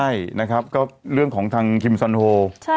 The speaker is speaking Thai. ใช่เรื่องของทางคิมศัลโฮ